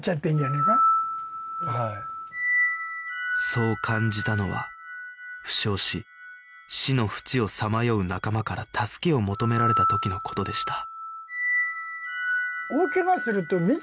そう感じたのは負傷し死の淵をさまよう仲間から助けを求められた時の事でした